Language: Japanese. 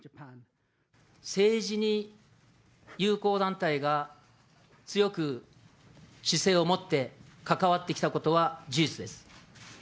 政治に友好団体が強い姿勢を持って関わってきたことは事実です。